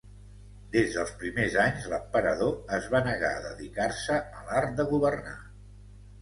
Des dels primers anys l'emperador es va negar a dedicar-se a l'art de governar.